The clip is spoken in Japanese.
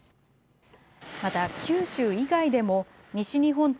また九州以外でも西日本と